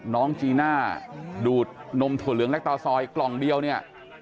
น้องจีน่าดูดนมถั่วเหลืองและตาซอยกล่องเดียวเนี่ย